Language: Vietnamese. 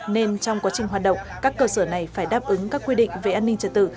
nên trong quá trình hoạt động các cơ sở này phải đáp ứng các quy định về an ninh trật tự